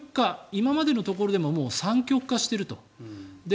今までのところでももう三極化していると。